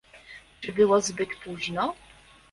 "czy było zbyt późno?"